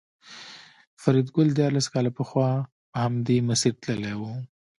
فریدګل دیارلس کاله پخوا په همدې مسیر تللی و